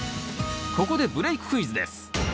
ここでブレーククイズです。